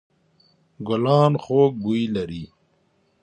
ګلان خوږ بوی لري.